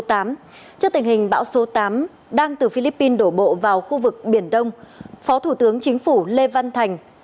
trước tình hình bão số tám đang từ philippines đổ bộ vào khu vực biển đông phó thủ tướng chính phủ lê văn thành